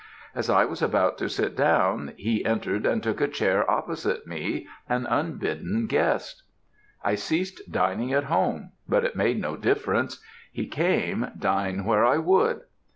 As I was about to sit down, he entered and took a chair opposite me, an unbidden guest. I ceased dining at home, but it made no difference; he came, dine where I would.